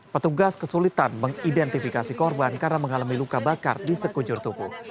petugas kesulitan mengidentifikasi korban karena mengalami luka bakar di sekujur tubuh